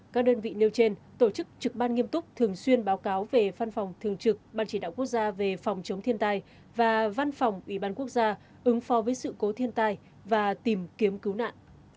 các đơn vị nêu trên tổ chức trực ban nghiêm túc thường xuyên báo cáo về văn phòng thường trực ban chỉ đạo quốc gia về phòng chống thiên tai và văn phòng ủy ban quốc gia ứng phó với sự cố thiên tai và tìm kiếm cứu nạn